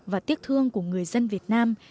và tiếc thương của người dân việt nam